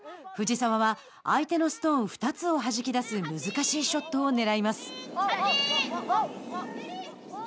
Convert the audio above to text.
藤澤は相手のストーン２つをはじき出す難しいショットをねらいます。